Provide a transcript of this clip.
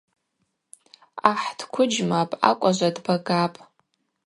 Ахӏ дквыджьмапӏ, акӏважва дбагапӏ.